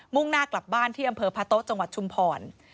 ่งหน้ากลับบ้านที่อำเภอพะโต๊ะจังหวัดชุมพร